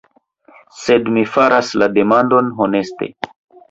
Sed mi faras la demandon honeste.